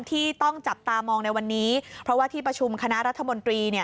ที่ต้องจับตามองในวันนี้เพราะว่าที่ประชุมคณะรัฐมนตรี